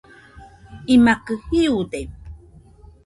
imakɨ jiude